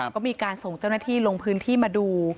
ก็มีการส่งเจ้าหน้าที่ลงพื้นที่มาดู